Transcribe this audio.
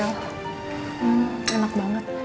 hmm enak banget